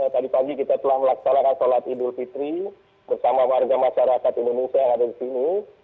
tadi pagi kita telah melaksanakan sholat idul fitri bersama warga masyarakat indonesia yang ada di sini